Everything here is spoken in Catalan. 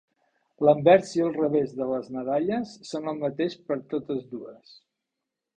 L'anvers i el revers de les medalles són el mateix per totes dues.